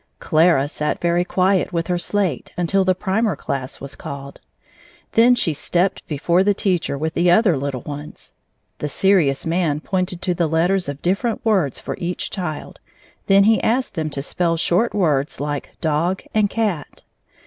Clara sat very quiet with her slate until the primer class was called. Then she stepped before the teacher with the other little ones. The serious man pointed to the letters of different words for each child, then he asked them to spell short words like dog and cat.